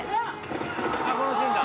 このシーンだ。